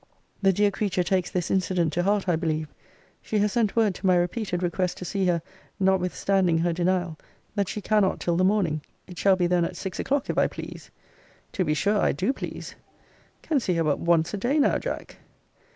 The dear creature takes this incident to heart, I believe: She has sent word to my repeated request to see her notwithstanding her denial, that she cannot till the morning: it shall be then at six o'clock, if I please! To be sure I do please! Can see her but once a day now, Jack!